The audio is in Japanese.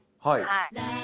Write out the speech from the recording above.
はい。